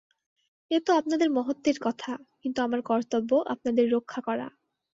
এ তো আপনাদের মহত্ত্বের কথা, কিন্তু আমার কর্তব্য আপনাদের রক্ষা করা।